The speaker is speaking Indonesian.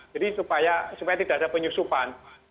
jadi supaya tidak ada penyusupan